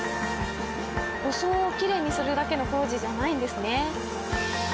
装をきれいにするだけの工事じゃないんですね。